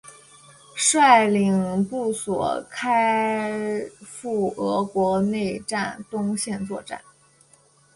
率领所部开赴俄国内战东线作战。